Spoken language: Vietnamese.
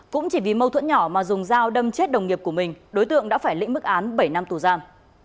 cũng chỉ vì mâu thuẫn nhỏ mà dùng dao đâm chết đồng nghiệp của mình đối tượng đã phải lĩnh mức án bảy năm tù giam